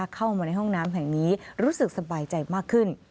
เข้ามาในห้องน้ำแห่งนี้รู้สึกสบายใจมากขึ้น